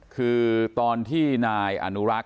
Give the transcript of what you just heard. คือตอนที่นายอนุรักษ